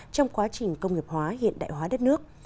trong quá trình công nghiệp hóa hiện đại hóa đất nước